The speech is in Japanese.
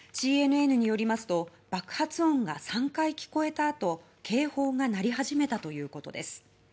ＣＮＮによりますと爆発音が３回聞こえたあと警報が鳴り始めたということです。